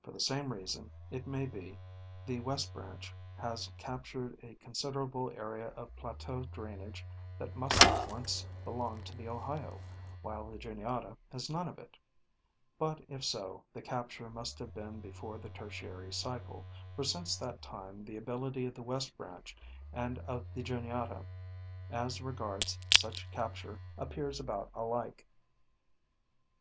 For the same reason, it may be, the West Branch has captured a considerable area of plateau drainage that must have once belonged to the Ohio, while the Juniata has none of it ; but if so, the capture must have been before the Tertiary cycle, for since that time the ability of the West Branch and of the Juniata as regards such capture appears about alike.